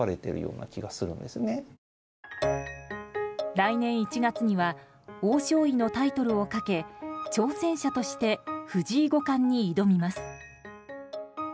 来年１月には王将位のタイトルをかけ挑戦者として藤井五冠に挑みます。